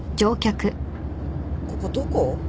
ここどこ？